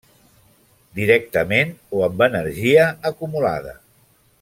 Directament o amb energia acumulada.